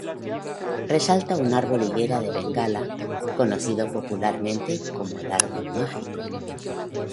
Resalta un árbol higuera de bengala, conocido popularmente como el árbol mágico.